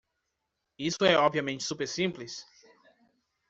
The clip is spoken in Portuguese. Isso é obviamente super simples?